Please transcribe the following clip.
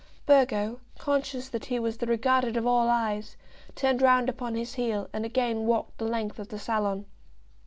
Burgo, conscious that he was the regarded of all eyes, turned round upon his heel and again walked the length of the salon.